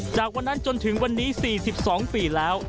จากวันนั้นจนถึงวันนี้๔๒ปีแล้ว